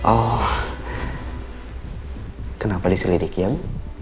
oh kenapa diselidikian